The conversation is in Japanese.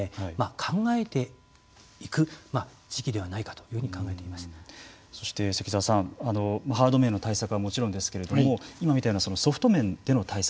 考えていく時期ではないかそして、関澤さんハード面の対策はもちろんですけれども今みたいなソフト面での対策。